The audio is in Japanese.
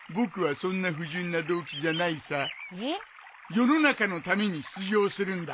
世の中のために出場するんだ。